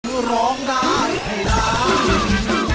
เพื่อร้องได้ให้ร้อง